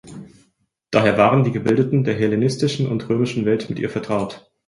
Daher waren die Gebildeten der hellenistischen und römischen Welt mit ihr vertraut.